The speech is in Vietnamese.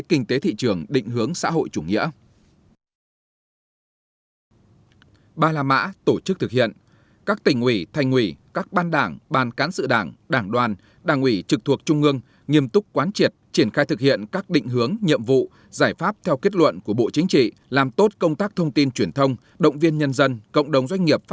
kinh tế thị trường định hướng xã hội chủ nghĩa